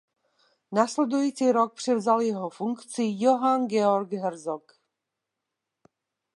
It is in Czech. Následující rok převzal jeho funkci Johann Georg Herzog.